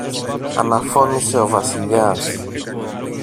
αναφώνησε ο Βασιλιάς.